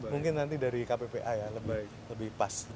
mungkin nanti dari kppa ya lebih pas